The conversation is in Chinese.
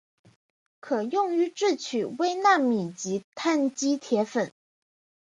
可用于制取微纳米级羰基铁粉。